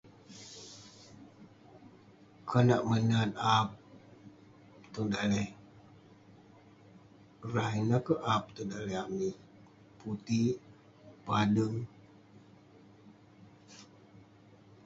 Konak menat aap tong daleh rah ineh keh aap tong daleh amik. Putik, padeng.